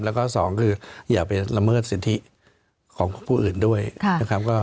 แล้วก็สองคืออย่าไปละเมิดสิทธิของผู้อื่นด้วยนะครับ